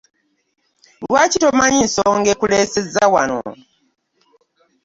Lwaki tomanyi nsonga ekuleeseza wano?